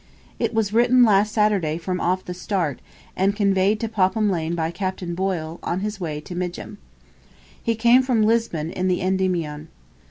It was written last Saturday from off the Start, and conveyed to Popham Lane by Captain Boyle, on his way to Midgham. He came from Lisbon in the "Endymion."